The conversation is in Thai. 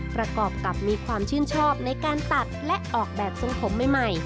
ประกอบกับมีความชื่นชอบในการตัดและออกแบบทรงผมใหม่